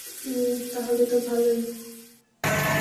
অহ, তাহলে তো ভালোই।